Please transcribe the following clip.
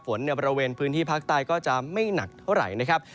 ในบริเวณพื้นที่ภาคใต้ก็จะไม่หนักเท่าไหร่นะครับ